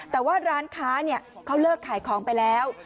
แต่ว่าร้านค้าเขาเลิกขายของไปแล้ว